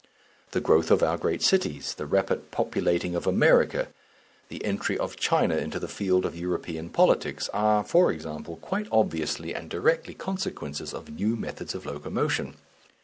The growth of our great cities, the rapid populating of America, the entry of China into the field of European politics are, for example, quite obviously and directly consequences of new methods of locomotion.